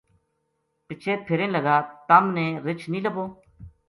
پِچھے پھریں لگا تم نے رچھ نیہہ لبھو